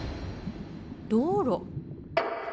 道路？